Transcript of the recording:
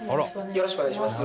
よろしくお願いします。